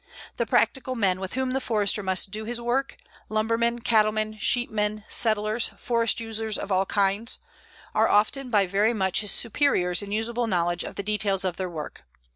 The "practical" men with whom the Forester must do his work lumbermen, cattlemen, sheepmen, settlers, forest users of all kinds are often by very much his superiors in usable knowledge of the details of their work.